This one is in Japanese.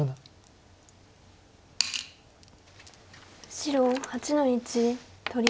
白８の一取り。